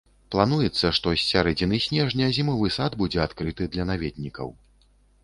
Плануецца, што з сярэдзіны снежня зімовы сад будзе адкрыты для наведнікаў.